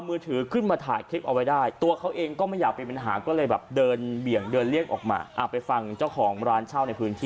พื้นที่นะฮะ